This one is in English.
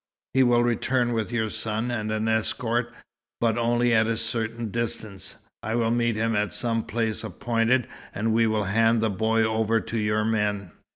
He will return with your son, and an escort, but only a certain distance. I will meet him at some place appointed, and we will hand the boy over to your men."